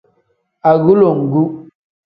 Agulongu.